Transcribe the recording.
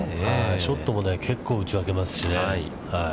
ショットも、結構、打ち分けますしね。